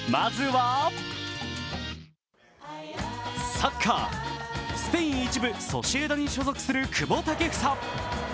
サッカー、スペイン１部ソシエダに所属する久保建英。